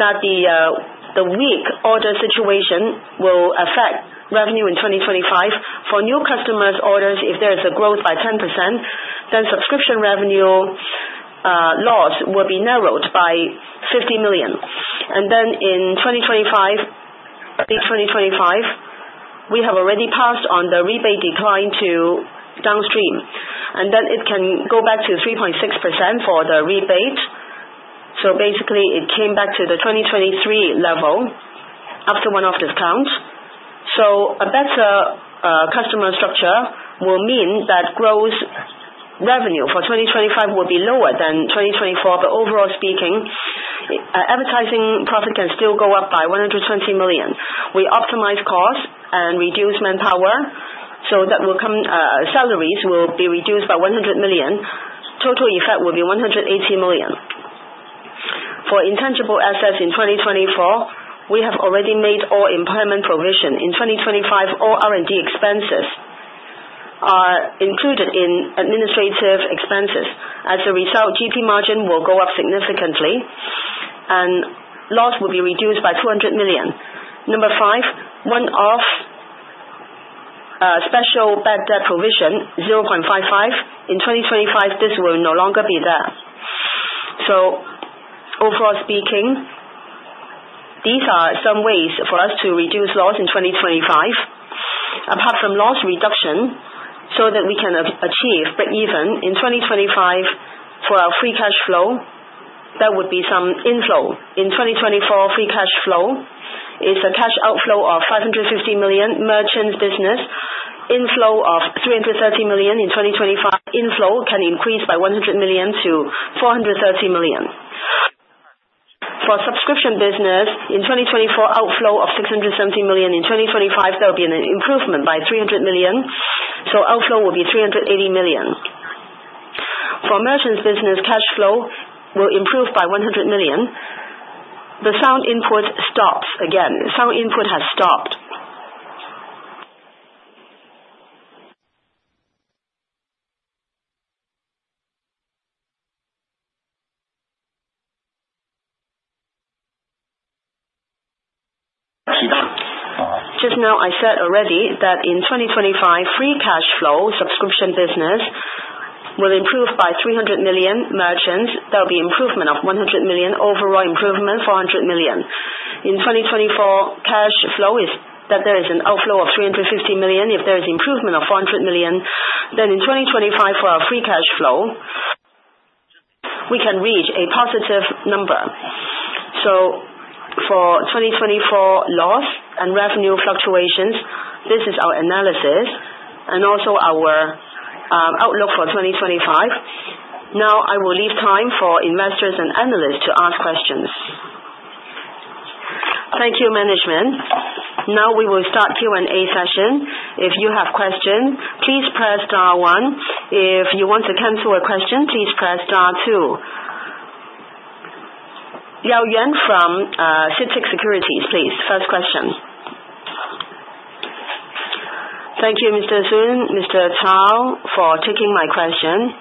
that the weak order situation will affect revenue in 2025. For new customers' orders, if there is a growth by 10%, subscription revenue loss will be narrowed by 50 million. In 2025, late 2025, we have already passed on the rebate decline to downstream. It can go back to 3.6% for the rebate. Basically, it came back to the 2023 level after one-off discount. A better customer structure will mean that gross revenue for 2025 will be lower than 2024. Overall speaking, advertising profit can still go up by 120 million. We optimize costs and reduce manpower. That will come, salaries will be reduced by 100 million. Total effect will be 180 million. For intangible assets in 2024, we have already made all impairment provision. In 2025, all R&D expenses are included in administrative expenses. As a result, GP margin will go up significantly, and loss will be reduced by 200 million. Number five, one-off special bad debt provision, 0.55 million. In 2025, this will no longer be there. Overall speaking, these are some ways for us to reduce loss in 2025. Apart from loss reduction, so that we can achieve breakeven in 2025 for our free cash flow, there would be some inflow. In 2024, free cash flow is a cash outflow of 550 million. Merchants business inflow of 330 million in 2025. Inflow can increase by 100 million to 430 million. For subscription business, in 2024, outflow of 670 million. In 2025, there will be an improvement by 300 million. Outflow will be 380 million. For merchants business, cash flow will improve by 100 million. The sound input stops again. Sound input has stopped. Just now, I said already that in 2025, free cash flow subscription business will improve by 300 million. Merchants, there will be improvement of 100 million. Overall improvement, 400 million. In 2024, cash flow is that there is an outflow of 350 million. If there is improvement of 400 million, in 2025, for our free cash flow, we can reach a positive number. For 2024 loss and revenue fluctuations, this is our analysis and also our outlook for 2025. Now, I will leave time for investors and analysts to ask questions. Thank you, management. Now, we will start Q&A session. If you have questions, please press star one. If you want to cancel a question, please press star two. Yaoyuan from CITIC Securities, please. First question. Thank you, Mr. Sun, Mr. Cao, for taking my question.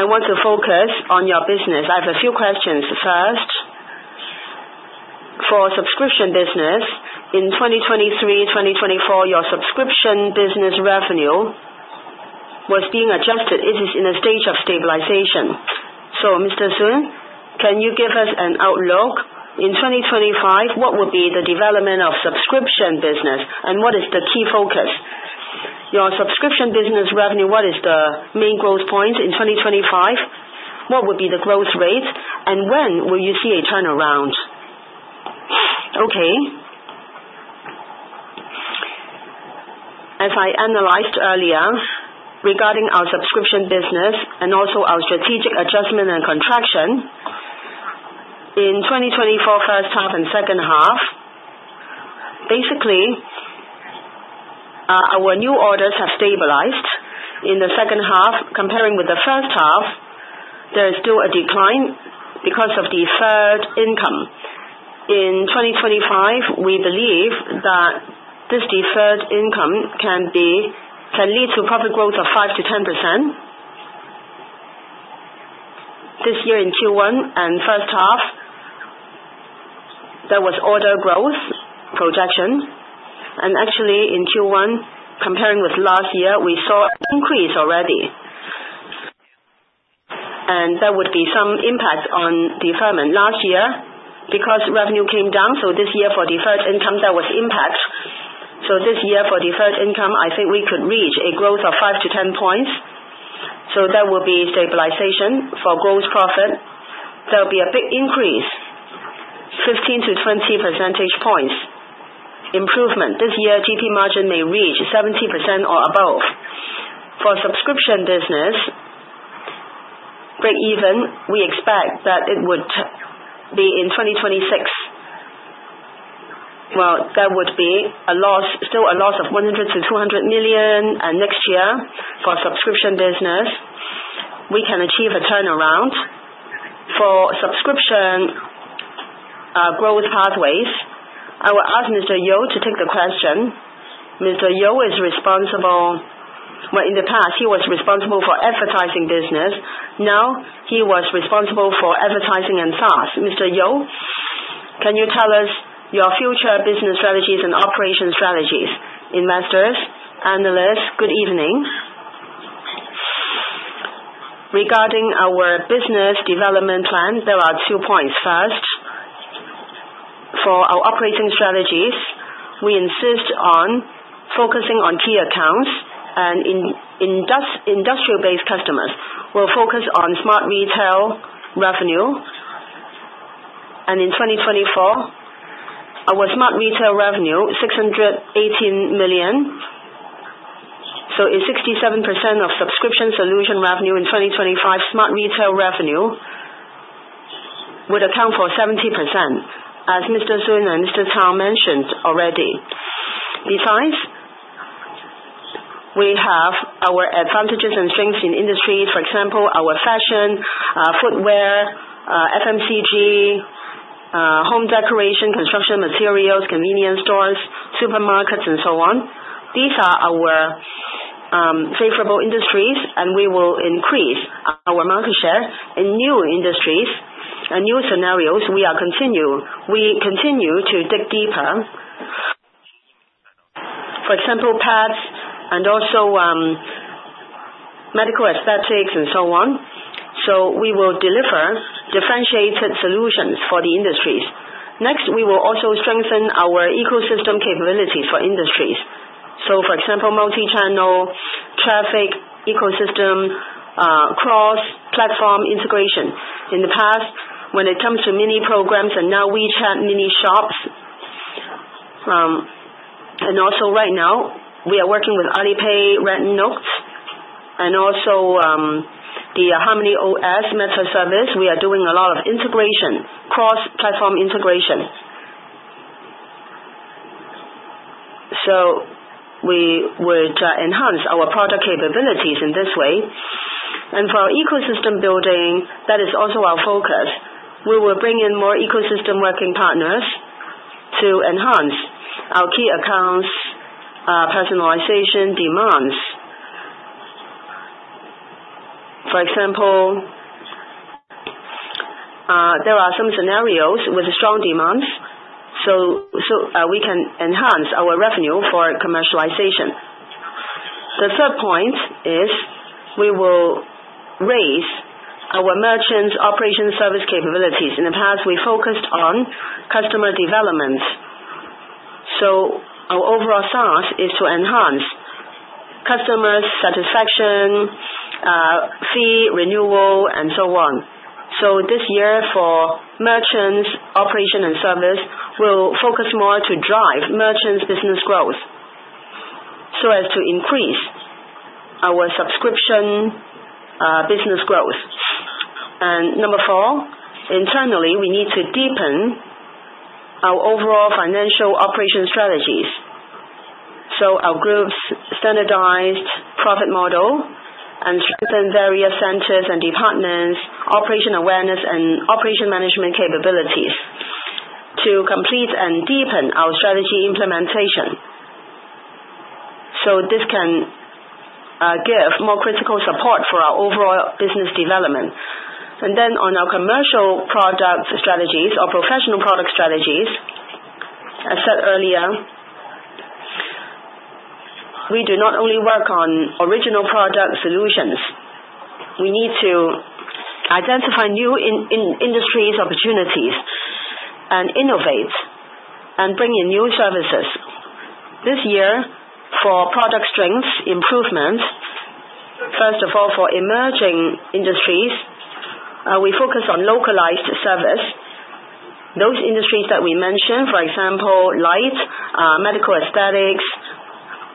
I want to focus on your business. I have a few questions. First, for subscription business, in 2023, 2024, your subscription business revenue was being adjusted. It is in a stage of stabilization. Mr. Sun, can you give us an outlook? In 2025, what will be the development of subscription business, and what is the key focus? Your subscription business revenue, what is the main growth point in 2025? What will be the growth rate, and when will you see a turnaround? Okay. As I analyzed earlier regarding our subscription business and also our strategic adjustment and contraction, in 2024, first half and second half, basically, our new orders have stabilized. In the second half, comparing with the first half, there is still a decline because of the third income. In 2025, we believe that this third income can lead to profit growth of 5% to 10. This year, in Q1 and first half, there was order growth projection. Actually, in Q1, comparing with last year, we saw an increase already. There would be some impact on deferment. Last year, because revenue came down, this year for the third income, there was impact. This year for the third income, I think we could reach a growth of 5-10 percentage points. There will be stabilization for gross profit. There will be a big increase, 15-20 percentage points improvement. This year, GP margin may reach 70% or above. For subscription business, breakeven, we expect that it would be in 2026. There would be a loss, still a loss of 100 million-200 million. Next year, for subscription business, we can achieve a turnaround. For subscription growth pathways, I will ask Mr. You to take the question. Mr. You is responsible. In the past, he was responsible for advertising business. Now, he is responsible for advertising and SaaS. Mr. You, can you tell us your future business strategies and operation strategies? Investors, analysts, good evening. Regarding our business development plan, there are two points. First, for our operating strategies, we insist on focusing on key accounts and industrial-based customers. We will focus on smart retail revenue. In 2024, our Smart Retail revenue, 618 million, so 67% of subscription solution revenue. In 2025, Smart Retail revenue would account for 70%, as Mr. Sun and Mr. Cao mentioned already. Besides, we have our advantages and strengths in industries. For example, our fashion, footwear, FMCG, home decoration, construction materials, convenience stores, supermarkets, and so on. These are our favorable industries, and we will increase our market share in new industries and new scenarios. We continue to dig deeper, for example, pads and also medical aesthetics and so on. We will deliver differentiated solutions for the industries. Next, we will also strengthen our ecosystem capabilities for industries. For example, multi-channel traffic ecosystem, cross-platform integration. In the past, when it comes to mini programs, and now WeChat Mini Shops. Also, right now, we are working with Alipay, Xiaohongshu, and the HarmonyOS meta service. We are doing a lot of integration, cross-platform integration. We would enhance our product capabilities in this way. For our ecosystem building, that is also our focus. We will bring in more ecosystem working partners to enhance our key accounts' personalization demands. For example, there are some scenarios with strong demands, so we can enhance our revenue for commercialization. The third point is we will raise our merchants' operation service capabilities. In the past, we focused on customer development. Our overall SaaS is to enhance customer satisfaction, fee renewal, and so on. This year, for merchants' operation and service, we'll focus more to drive merchants' business growth so as to increase our subscription business growth. Number four, internally, we need to deepen our overall financial operation strategies. Our group's standardized profit model and strengthen various centers and departments, operation awareness, and operation management capabilities to complete and deepen our strategy implementation. This can give more critical support for our overall business development. On our commercial product strategies or professional product strategies, as said earlier, we do not only work on original product solutions. We need to identify new industry opportunities and innovate and bring in new services. This year, for product strength improvement, first of all, for emerging industries, we focus on localized service. Those industries that we mentioned, for example, light, medical aesthetics,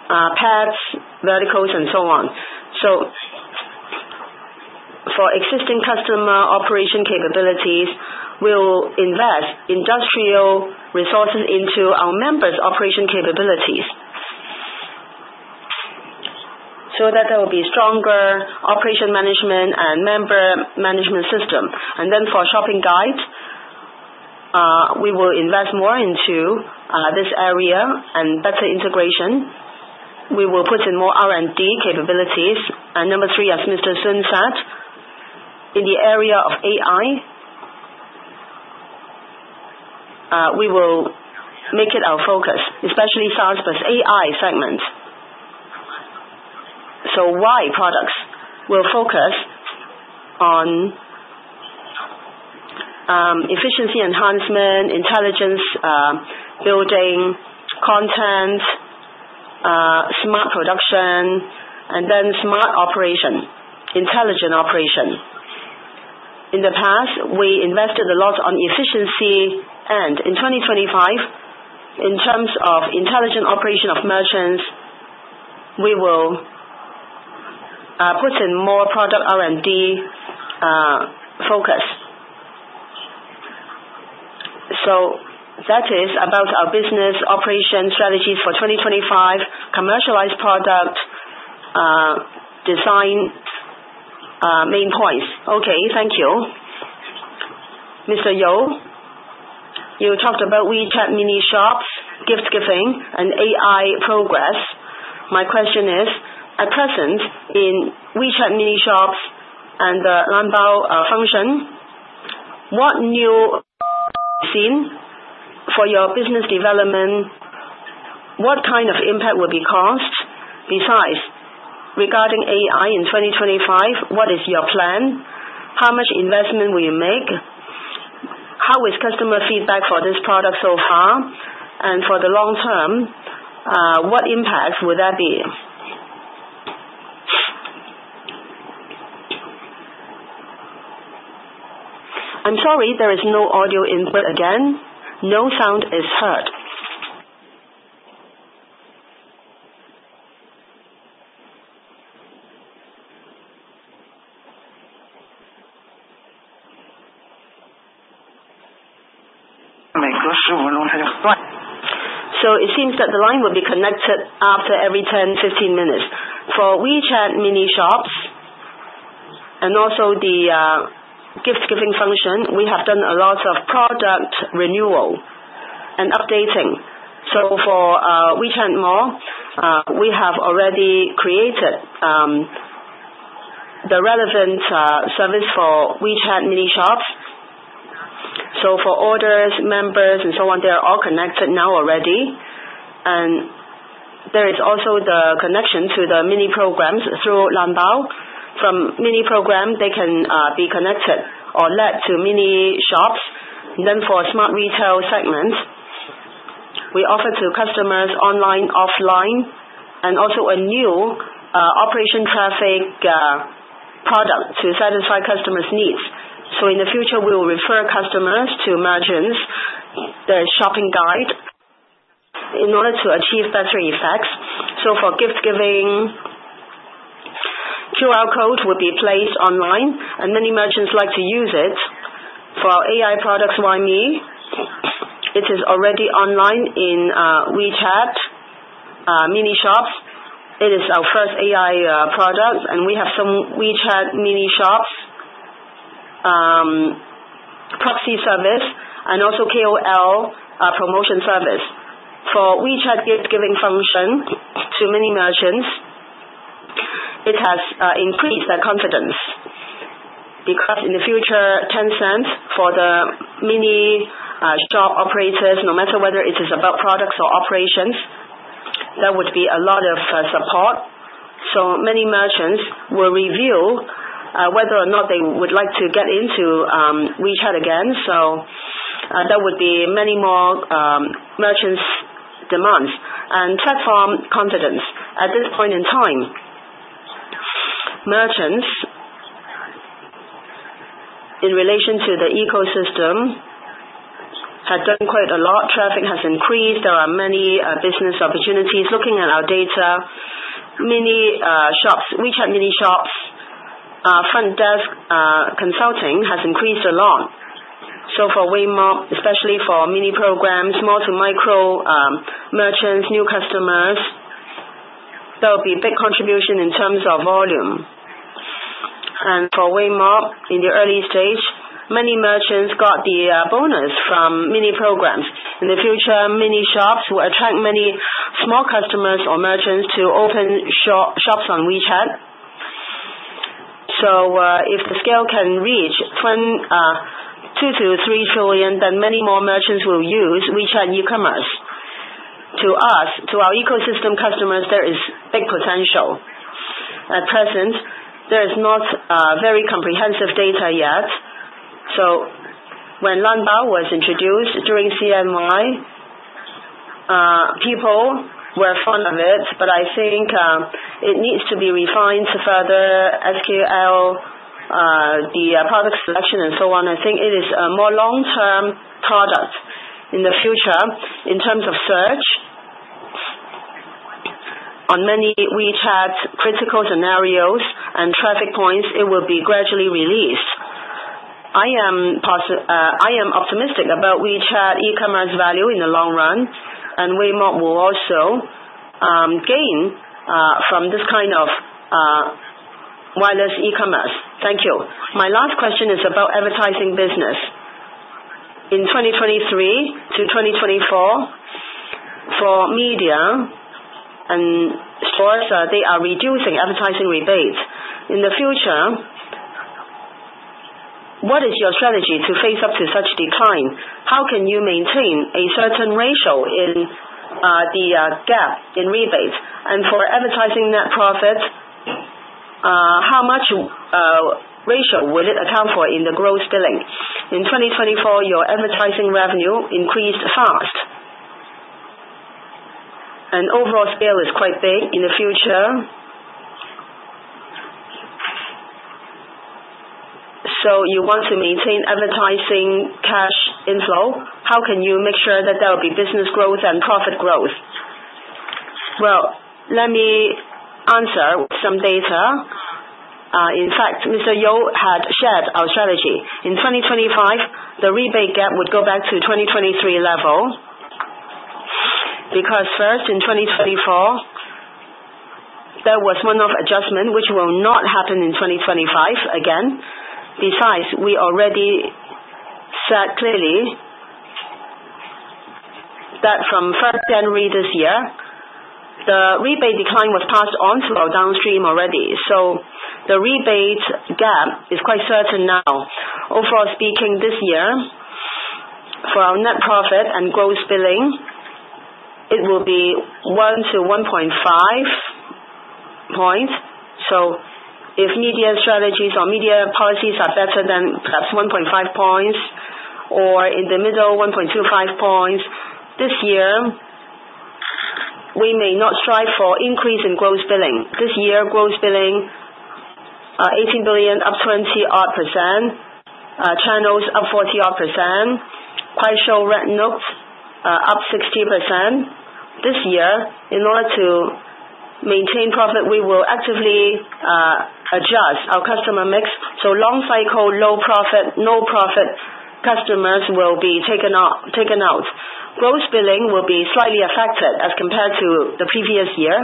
pets, verticals, and so on. For existing customer operation capabilities, we'll invest industrial resources into our members' operation capabilities so that there will be stronger operation management and member management system. For shopping guides, we will invest more into this area and better integration. We will put in more R&D capabilities. Number three, as Mr. Sun said, in the area of AI, we will make it our focus, especially SaaS-plus-AI segments. Y products, we will focus on efficiency enhancement, intelligence building, content, smart production, and then smart operation, intelligent operation. In the past, we invested a lot on efficiency. In 2025, in terms of intelligent operation of merchants, we will put in more product R&D focus. That is about our business operation strategies for 2025, commercialized product design main points. Thank you. Mr. You, you talked about WeChat Mini Shops, gift giving, and AI progress. My question is, at present, in WeChat Mini Shops and the Lanbao function, what new scene for your business development? What kind of impact will be caused? Besides, regarding AI in 2025, what is your plan? How much investment will you make? How is customer feedback for this product so far? For the long term, what impact will that be? I'm sorry, there is no audio input again. No sound is heard. It seems that the line will be connected after every 10-15 minutes. For WeChat Mini Shops and also the gift-giving function, we have done a lot of product renewal and updating. For WeChat Mall, we have already created the relevant service for WeChat Mini Shops. For orders, members, and so on, they are all connected now already. There is also the connection to the Mini Programs through Lanbao. From Mini Program, they can be connected or led to Mini Shops. For Smart Retail segments, we offer to customers online, offline, and also a new operation traffic product to satisfy customers' needs. In the future, we will refer customers to merchants, the shopping guide, in order to achieve better effects. For gift-giving, QR code will be placed online, and many merchants like to use it. For AI products, YME, it is already online in WeChat Mini Shops. It is our first AI product, and we have some WeChat Mini Shops proxy service and also KOL promotion service. For WeChat gift-giving function to many merchants, it has increased their confidence because in the future, Tencent for the Mini Shop operators, no matter whether it is about products or operations, there would be a lot of support. Many merchants will reveal whether or not they would like to get into WeChat again. There would be many more merchants' demands and platform confidence. At this point in time, merchants, in relation to the ecosystem, have done quite a lot. Traffic has increased. There are many business opportunities. Looking at our data, Mini Shops, WeChat Mini Shops, front desk consulting has increased a lot. For Weimob, especially for Mini Programs, small to micro-merchants, new customers, there will be a big contribution in terms of volume. For Weimob, in the early stage, many merchants got the bonus from Mini Programs. In the future, mini shops will attract many small customers or merchants to open shops on WeChat. If the scale can reach 2 trillion to 3 trillion, many more merchants will use WeChat e-commerce. To us, to our ecosystem customers, there is big potential. At present, there is not very comprehensive data yet. When Lanbao was introduced during CMI, people were fond of it, but I think it needs to be refined further, SKU, the product selection, and so on. I think it is a more long-term product in the future. In terms of search, on many WeChat critical scenarios and traffic points, it will be gradually released. I am optimistic about WeChat e-commerce value in the long run, and Weimob will also gain from this kind of wireless e-commerce. Thank you. My last question is about advertising business. In 2023 to 2024, for media and stores, they are reducing advertising rebates. In the future, what is your strategy to face up to such decline? How can you maintain a certain ratio in the gap in rebates? For advertising net profit, how much ratio will it account for in the gross billing? In 2024, your advertising revenue increased fast. Overall scale is quite big in the future. You want to maintain advertising cash inflow. How can you make sure that there will be business growth and profit growth? Let me answer with some data. In fact, Mr. You had shared our strategy. In 2025, the rebate gap would go back to 2023 level because first, in 2024, there was one-off adjustment, which will not happen in 2025 again. Besides, we already said clearly that from 1st January this year, the rebate decline was passed on to our downstream already. The rebate gap is quite certain now. Overall speaking, this year, for our net profit and gross billing, it will be 1-1.5 percentage points. If media strategies or media policies are better, then perhaps 1.5 percentage points or in the middle, 1.25 percentage points. This year, we may not strive for increase in gross billing. This year, gross billing, 18 billion, up 20-odd %, channels up 40-odd %, Kuaishou, Red Note, up 60%. This year, in order to maintain profit, we will actively adjust our customer mix. Long-cycle, low-profit, no-profit customers will be taken out. Gross billing will be slightly affected as compared to the previous year,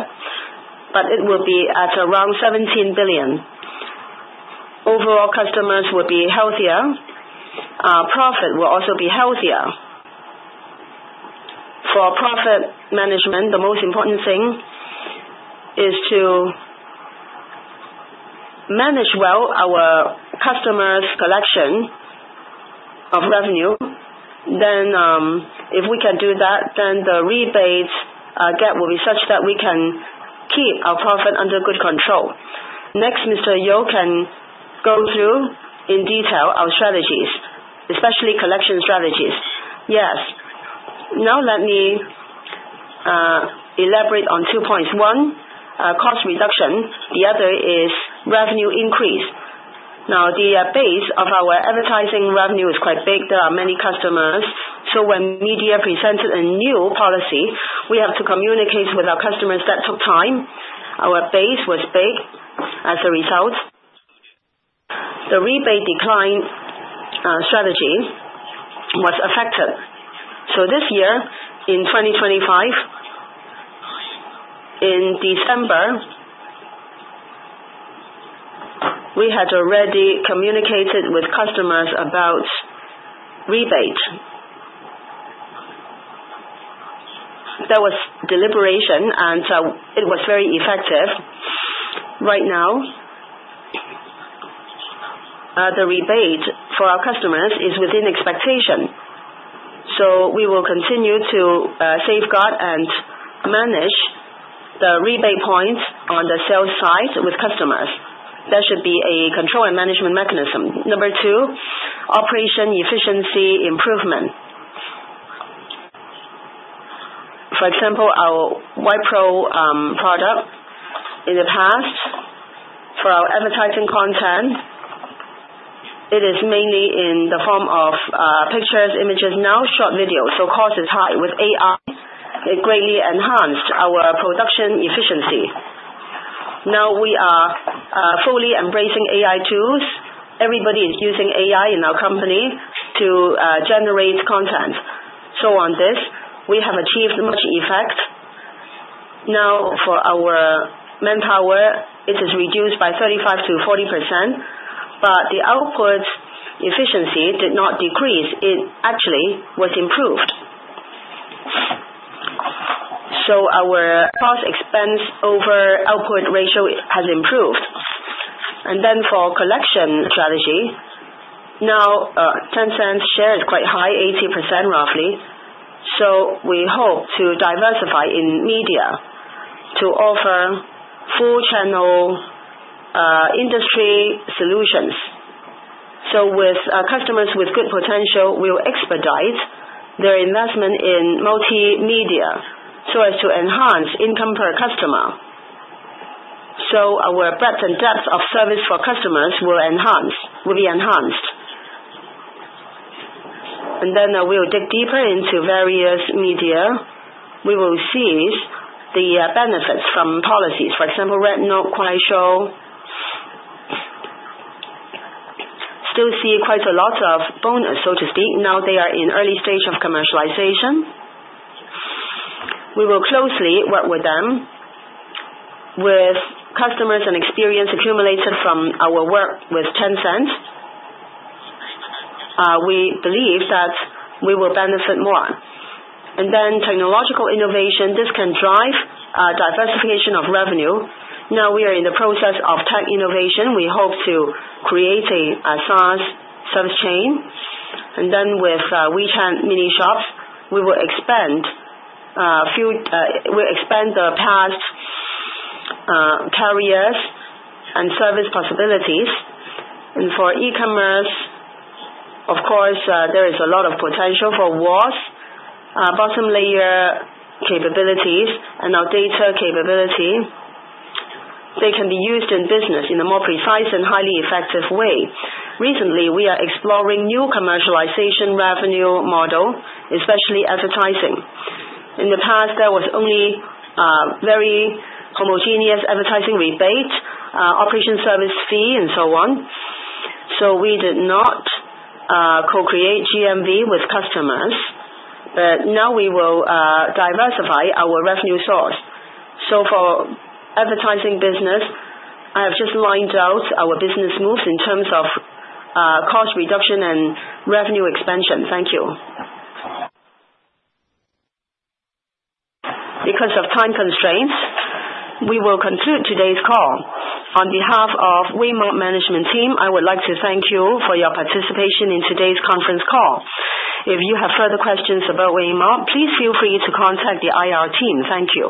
but it will be at around 17 billion. Overall, customers will be healthier. Profit will also be healthier. For profit management, the most important thing is to manage well our customers' collection of revenue. If we can do that, the rebate gap will be such that we can keep our profit under good control. Next, Mr. You can go through in detail our strategies, especially collection strategies. Yes. Now let me elaborate on two points. One, cost reduction. The other is revenue increase. Now, the base of our advertising revenue is quite big. There are many customers. When media presented a new policy, we have to communicate with our customers. That took time. Our base was big as a result. The rebate decline strategy was affected. This year, in 2025, in December, we had already communicated with customers about rebate. There was deliberation, and it was very effective. Right now, the rebate for our customers is within expectation. We will continue to safeguard and manage the rebate points on the sales side with customers. There should be a control and management mechanism. Number two, operation efficiency improvement. For example, our YPro product in the past, for our advertising content, it is mainly in the form of pictures, images, now short videos. Cost is high. With AI, it greatly enhanced our production efficiency. Now we are fully embracing AI tools. Everybody is using AI in our company to generate content. On this, we have achieved much effect. Now for our manpower, it is reduced by 35% to 40, but the output efficiency did not decrease. It actually was improved. Our cost-expense-over-output ratio has improved. For collection strategy, now Tencent's share is quite high, 80% roughly. We hope to diversify in media to offer full-channel industry solutions. With customers with good potential, we will expedite their investment in multimedia to enhance income per customer. Our breadth and depth of service for customers will be enhanced. We will dig deeper into various media. We will see the benefits from policies. For example, Xiaohongshu, Kuaishou, still see quite a lot of bonus, so to speak. Now they are in early-stage of commercialization. We will closely work with them, with customers, and experience accumulated from our work with Tencent. We believe that we will benefit more. Technological innovation can drive diversification of revenue. Now we are in the process of tech innovation. We hope to create a SaaS service chain. With WeChat Mini Shops, we will expand the past carriers and service possibilities. For e-commerce, of course, there is a lot of potential for WAI SaaS, bottom-layer capabilities, and our data capability. They can be used in business in a more precise and highly-effective way. Recently, we are exploring new commercialization revenue model, especially advertising. In the past, there was only very homogeneous advertising rebate, operation service fee, and so on. We did not co-create GMV with customers. Now we will diversify our revenue source. For advertising business, I have just lined out our business moves in terms of cost reduction and revenue expansion. Thank you. Because of time constraints, we will conclude today's call. On behalf of Weimob management team, I would like to thank you for your participation in today's conference call. If you have further questions about Weimob, please feel free to contact the IR team. Thank you.